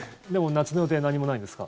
夏の予定は何もないんですか？